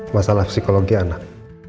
masalah psikologi anak